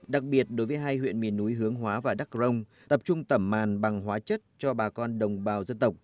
đặc biệt đối với hai huyện miền núi hướng hóa và đắk rồng tập trung tẩm màn bằng hóa chất cho bà con đồng bào dân tộc